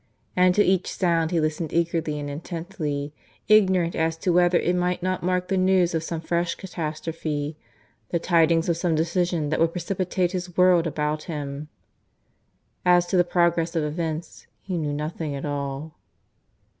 And to each sound he listened eagerly and intently, ignorant as to whether it might not mark the news of some fresh catastrophe, the tidings of some decision that would precipitate his world about him. As to the progress of events he knew nothing at all.